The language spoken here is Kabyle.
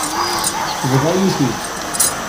Tebḍa-yi-t-id.